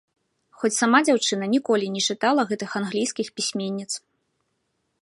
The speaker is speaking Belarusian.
Хоць сама дзяўчына ніколі не чытала гэтых англійскіх пісьменніц.